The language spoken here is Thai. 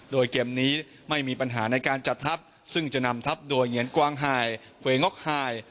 โดยเกมนี้ไม่มีปัญหาในการจัดทัพซึ่งจะนำทับโดยเหงียนกวางไฮเควยง็อกไฮ